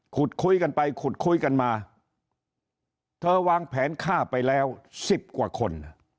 คุยกันไปขุดคุยกันมาเธอวางแผนฆ่าไปแล้วสิบกว่าคน